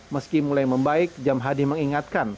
meski mulai membaik jam hadi mengingatkan